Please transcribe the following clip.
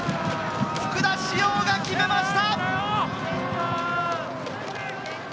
福田師王が決めました！